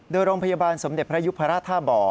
โดยโรงพยาบาลสมเด็จพระยุพราชท่าบ่อ